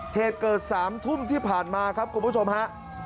เหตุเกิด๓ทุ่มที่ผ่านมาครับคุณผู้ชมฮะ